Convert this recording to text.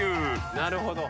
なるほど。